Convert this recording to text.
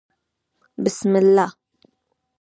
بسم الله